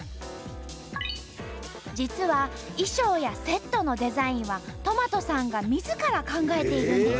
実は衣装やセットのデザインはとまとさんがみずから考えているんです。